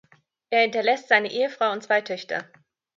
Er hinterlässt seine Ehefrau und zwei Töchter.